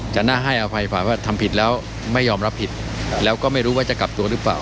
น่าให้อภัยฝ่าว่าทำผิดแล้วไม่ยอมรับผิดแล้วก็ไม่รู้ว่าจะกลับตัวหรือเปล่า